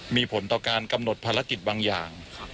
มีผลต่อการกำหนดภารกิจบางอย่าง